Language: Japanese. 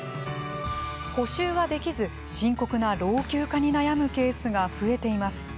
補修ができず、深刻な老朽化に悩むケースが増えています。